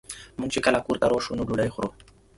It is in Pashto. مونږ چې کله کور ته راشو نو ډوډۍ خورو